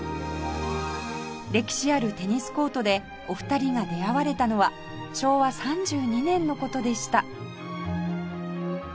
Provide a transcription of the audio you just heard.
歴史あるテニスコートでお二人が出会われたのは昭和３２年の事でした